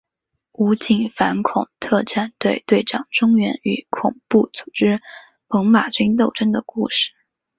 武警反恐特战队队长钟原与恐怖组织猛玛军斗争的故事。